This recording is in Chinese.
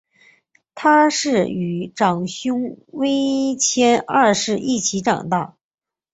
她是与长兄威廉二世一起成长的。